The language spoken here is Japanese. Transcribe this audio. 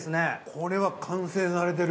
これは完成されてる。